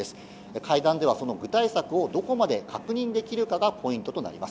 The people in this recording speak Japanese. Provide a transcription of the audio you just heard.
会談ではその具体策をどこまで確認できるかがポイントとなります。